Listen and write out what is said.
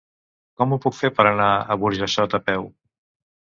Com ho puc fer per anar a Burjassot a peu?